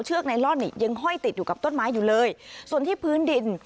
ไนลอนนี่ยังห้อยติดอยู่กับต้นไม้อยู่เลยส่วนที่พื้นดิน